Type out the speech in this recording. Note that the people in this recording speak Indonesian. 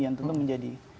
yang tentu menjadi